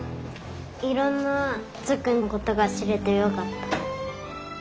いろんなつっくんのことがしれてよかった。